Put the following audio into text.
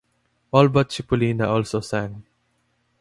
All but Cipollina also sang.